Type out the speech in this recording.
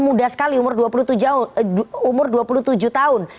muda sekali umur dua puluh tujuh tahun